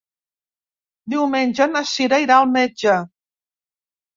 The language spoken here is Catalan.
Diumenge na Cira irà al metge.